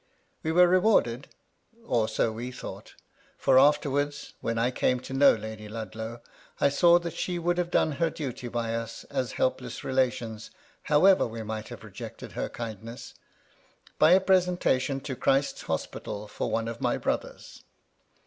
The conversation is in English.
We were rewarded,— or so we thought, — for, afterwards, when I came to know Lady Ludlow, I saw that she would have done her duty by us, as helpless relations, however we might have rejected her kindness, — by a presentation to Christ's Hospital for one of my brothers.